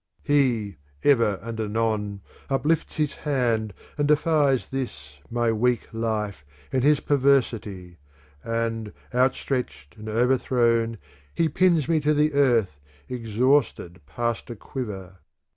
IV He, ever and anon, uplifts his hand and defies this my weak life, in his perversity ; and, outstretched and overthrown, he pins me to the earth, exhausted past a quiver.